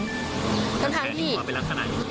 แผลที่หัวเป็นลักษณะอยู่ที่ไหน